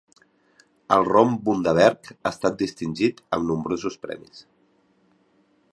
El rom Bundaberg ha estat distingit amb nombrosos premis.